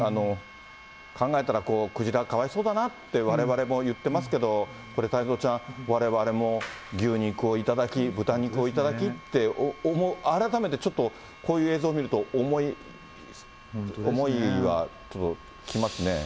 考えたら、クジラ、かわいそうだなってわれわれも言ってますけど、これ、太蔵ちゃん、われわれも牛肉を頂き、豚肉を頂きって、改めてちょっと、こういう映像見ると、思いはちょっときますね。